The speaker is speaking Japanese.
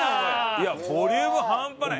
いやボリュームハンパない。